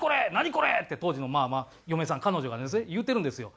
これ！」って当時のまあ嫁さん彼女がですね言うてるんですよ。